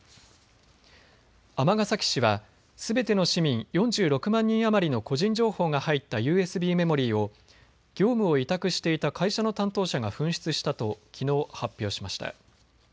尼崎市はすべての市民４６万人余りの個人情報が入ったＵＳＢメモリーを業務を委託していた会社の担当者が紛失したときのう発表しました。